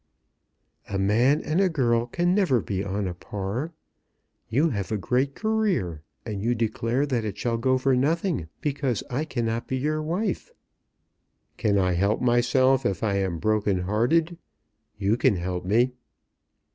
"A man and a girl can never be on a par. You have a great career, and you declare that it shall go for nothing because I cannot be your wife." "Can I help myself if I am broken hearted? You can help me."